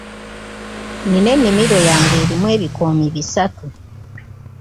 Nina ennimiro yange erimu ebikoomi bisatu.